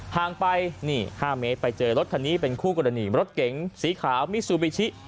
ห่างไปนี่๕เมตรไปเจอรถคันนี้เป็นคู่กรณีรถเก๋งสีขาวมิซูบิชิ